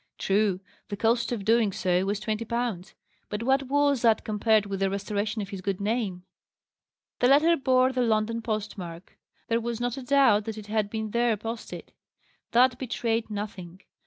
True, the cost of doing so was twenty pounds: but what was that compared with the restoration of his good name? The letter bore the London post mark. There was not a doubt that it had been there posted. That betrayed nothing.